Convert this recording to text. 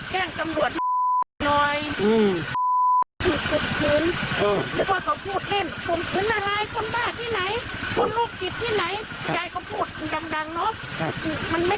เขาก็พูดให้อย่างนี้